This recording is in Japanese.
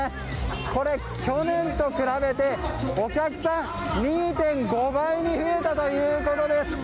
これ、去年と比べてお客さん２．５倍に増えたということです。